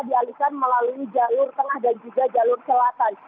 dialihkan melalui jalur tengah dan juga jalur selatan